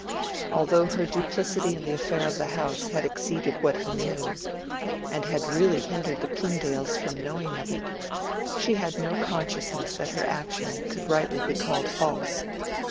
Although her duplicity in the affair of the house had exceeded what he knew, and had really hindered the Plymdales from knowing of it, she had no consciousness that her action could rightly be called false.